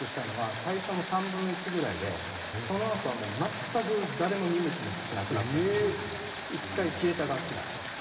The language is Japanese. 最初の３分の１ぐらいでそのあとはもう全く誰も見向きもしなくなったという一回消えた楽器なんです。